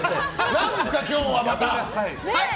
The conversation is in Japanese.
何ですか、今日はまた。